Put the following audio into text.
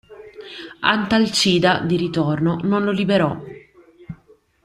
Antalcida, di ritorno, non lo liberò.